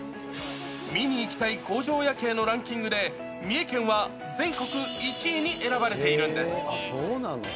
見に行きたい工場夜景のランキングで、三重県は全国１位に選ばれているんです。